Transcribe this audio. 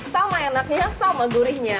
sama enaknya sama gurihnya